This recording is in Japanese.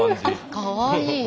かわいい。